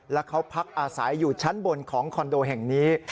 แล้วเขาพักอาศัยอยู่ชั้นบนของคอนโดแห่งนี้